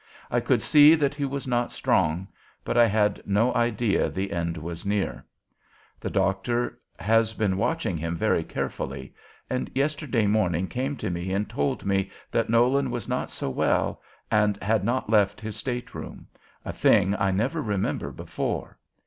I could see that he was not strong, but I had no idea the end was so near. The doctor has been watching him very carefully, and yesterday morning came to me and told me that Nolan was not so well, and had not left his state room, a thing I never remember before.